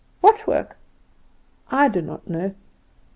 "What work?" "I do not know."